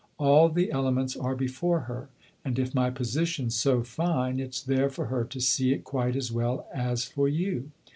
All the elements are before her, and if my position's so fine it's there for her to see it quite as well as for you.